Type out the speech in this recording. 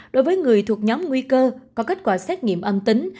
đối với người thuộc nhóm nguy cơ có kết quả xét nghiệm âm tính